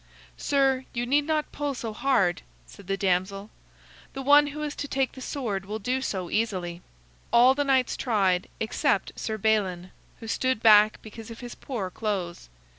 "Sir, you need not pull so hard," said the damsel. "The one who is to take the sword will do so easily." All the knights tried except Sir Balin, who stood back because of his poor clothes.